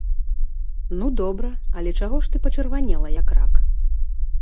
Ну, добра, але чаго ты пачырванела як рак!